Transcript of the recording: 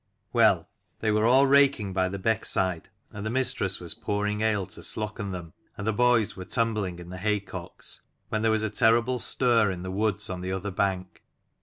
Well, they were all raking by the beck side, and the mistress was pouring ale to slocken 43 them, and the boys were tumbling in the hay cocks, when there was a terrible stir in the woods on the other bank.